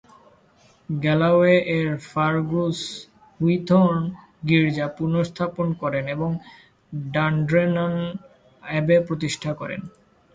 Galloway এর ফার্গুস হুইথোর্ন গির্জা পুনর্স্থাপন করেন এবং ডান্ড্রেননান অ্যাবে প্রতিষ্ঠা করেন।